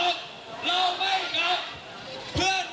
รัฐบาลไม่ออกเราไม่กลับ